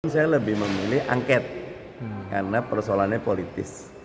saya lebih memilih angket karena persoalannya politis